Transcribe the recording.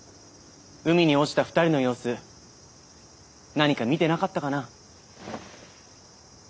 海に落ちた２人の様子何か見てなかったかな？